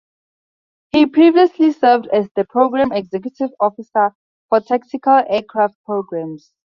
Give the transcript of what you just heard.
He previously served as the Program Executive Officer for Tactical Aircraft Programs.